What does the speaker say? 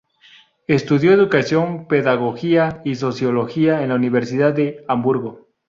Estudió educación, pedagogía y sociología en la Universidad de Hamburgo.